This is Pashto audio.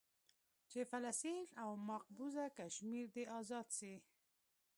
چې فلسطين او مقبوضه کشمير دې ازاد سي.